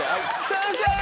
先生！